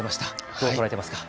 どうとらえていますか？